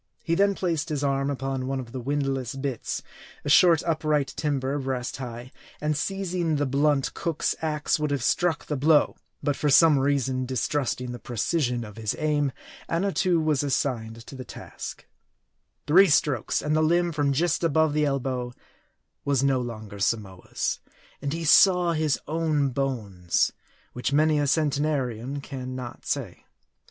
He then placed his arm upon one of the windlass bitts (a short upright timber, breast high), and seizing the blunt cook's ax would have struck the blow ; but for some reason distrusting the precision of his aim, Annatoo was assigned to the task, M A R D I. 97 Three strokes, and the limb, from just above the elbow, was no longer Samoa's ; and he saw his own bones ; which many a centenarian can not say.